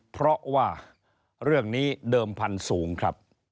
เพราะว่าเรื่องนี้เดิมพันธุ์สูงครับ